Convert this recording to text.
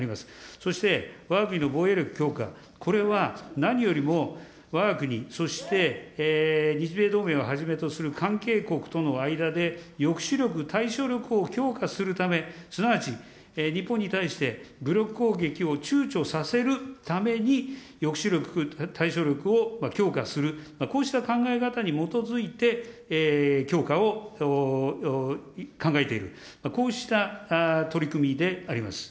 そして、わが国の防衛力強化、これは何よりもわが国、そして日米同盟をはじめとする関係国との間で抑止力、対処力を強化するため、すなわち日本に対して武力攻撃をちゅうちょさせるために、抑止力、対処力を強化する、こうした考え方に基づいて、強化を考えている、こうした取り組みであります。